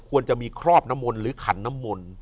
ควรจะมีครอบน้ำมนต์หรือขันน้ำมนต์